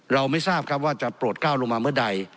ไม่ทราบครับว่าจะโปรดก้าวลงมาเมื่อใด